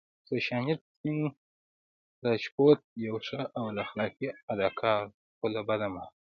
سوشانت سينګ راجپوت يو ښه او اخلاقي اداکار وو خو له بده مرغه